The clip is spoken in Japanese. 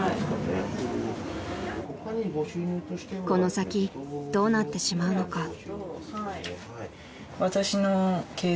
［この先どうなってしまうのか］